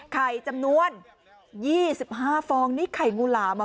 ไข่จำนวน๒๕ฟองนี่ไข่งูหลามอ่ะ